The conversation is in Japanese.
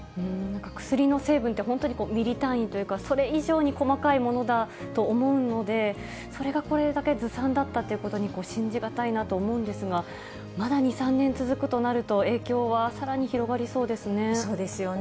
薬の成分って、本当にミリ単位というか、それ以上に細かいものだと思うので、それがこれだけずさんだったということに信じ難いなと思うんですが、まだ２、３年続くとなると、影響はさらに広がりそうですね。